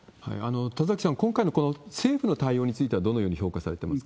田崎さん、今回のこの政府の対応についてはどのように評価されていますか？